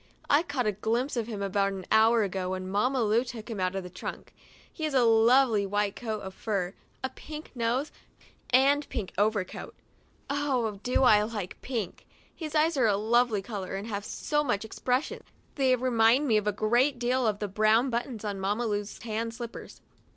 I caught a glimpse of him about an hour ago, when Mamma Lu took him out of the trunk. He has a lovely white coat of fur, a pink nose and pink overcoat — I do like pink. His eyes are a lovely color and have so much expres sion ; they remind me a great deal of the brown buttons on Mamma Lu's tan slippers.